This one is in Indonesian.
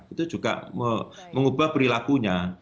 itu juga mengubah perilakunya